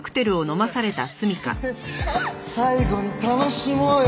最後に楽しもうよ。